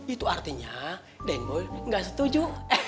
itu artinya dan boy gak setuju